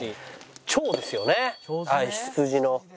腸ですよね羊の。